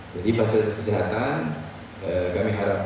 jadi fasilitas kesehatan kami harapkan